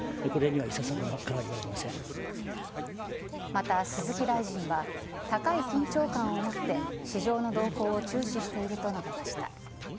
また、鈴木大臣は高い緊張感を持って市場の動向を注視していると述べました。